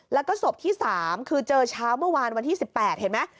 แล้วก็ศพที่๓คือเจอเช้าเมื่อวานวันที่๑๘เห็นไหม